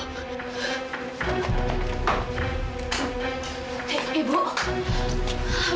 mungkin ibu udah bangun om